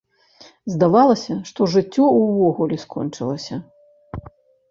Здавалася, што жыццё ўвогуле скончылася.